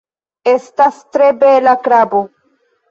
Estas tre bela krabo